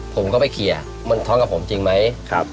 ผมก็ไปเคลียร์มันท้องกับผมจริงไหม